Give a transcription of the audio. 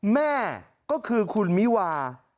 แม่ก็คือคุณมิวา